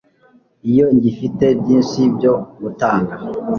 Iyo ngifite byinshi byo gutanga